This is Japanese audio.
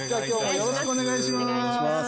よろしくお願いします。